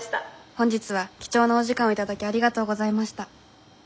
本日は貴重なお時間を頂きありがとうございました。